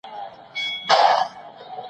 زه بايد مينه وښيم!؟